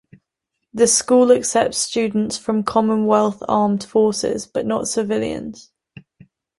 The School accepts students from Commonwealth armed forces, but not civilians.